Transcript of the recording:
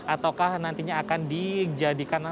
ataukah nantinya akan dijadikan